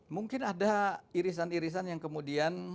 mungkin ada irisan irisan yang kemudian